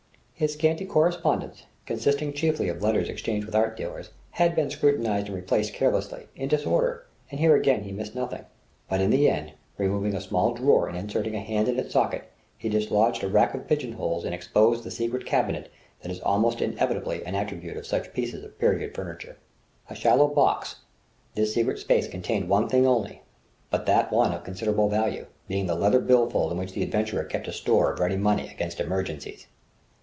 His scanty correspondence, composed chiefly of letters exchanged with art dealers, had been scrutinized and replaced carelessly, in disorder: and here again he missed nothing; but in the end, removing a small drawer and inserting a hand in its socket, he dislodged a rack of pigeon holes and exposed the secret cabinet that is almost inevitably an attribute of such pieces of period furniture. A shallow box, this secret space contained one thing only, but that one of considerable value, being the leather bill fold in which the adventurer kept a store of ready money against emergencies.